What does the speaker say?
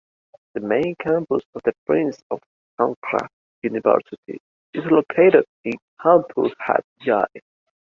The main campus of the Prince of Songkla University is located in Amphoe Hat Yai.